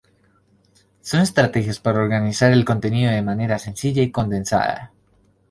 Son estrategias para organizar el contenido de manera sencilla y condensada.